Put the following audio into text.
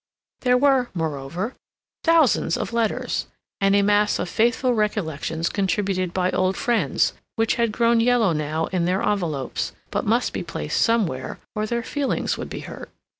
There were, moreover, thousands of letters, and a mass of faithful recollections contributed by old friends, which had grown yellow now in their envelopes, but must be placed somewhere, or their feelings would be hurt.